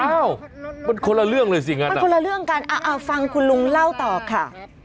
อ้าวมันคนละเรื่องเลยสิงั้นมันคนละเรื่องกันฟังคุณลุงเล่าต่อค่ะ